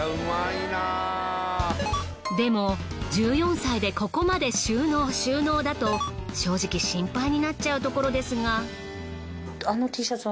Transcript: でも１４歳でここまで収納収納だと正直心配になっちゃうところですが。